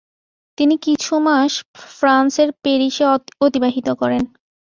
তিনি কিছু মাস ফ্রান্স এর প্যারিস এ অতিবাহিত করেন ।